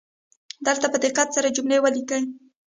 دلته په دقت سره جملې ولیکئ